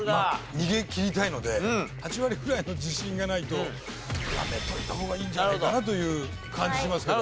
逃げきりたいので８割ぐらいの自信がないとやめといた方がいいんじゃないかなという感じしますけど。